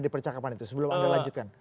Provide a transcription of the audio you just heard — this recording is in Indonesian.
di percakapan itu sebelum anda lanjutkan